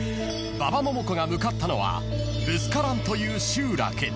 ［馬場ももこが向かったのはブスカランという集落］